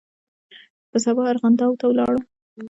په سبا ارغنداو ته ولاړم.